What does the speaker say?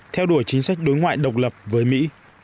theo đuổi chính sách đối ngoại độc lập với mỹ